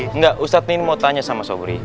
enggak ustadz ini mau tanya sama sobri